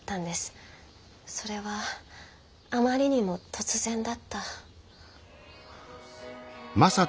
それはあまりにも突然だった。